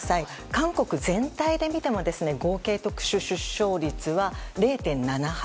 韓国全体で見ても合計特殊出生率は０．７８。